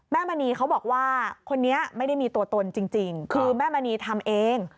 มณีเขาบอกว่าคนนี้ไม่ได้มีตัวตนจริงคือแม่มณีทำเอง